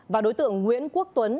và đối tượng nguyễn quốc tuấn